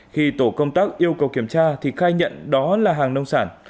khi tổ công tác yêu cầu kiểm tra thì khai nhận đó là hàng nông sản